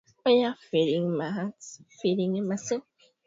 la Roma na kupokea yaliyo mema kutoka umataduni hasa